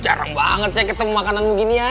jarang banget saya ketemu makanan beginian